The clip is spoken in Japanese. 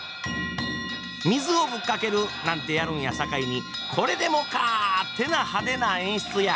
水をぶっかけるなんてやるんやさかいにこれでもかってな派手な演出や。